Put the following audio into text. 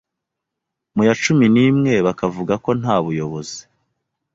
Mu ya cumi nimwe bakavuga ko nta buyobozi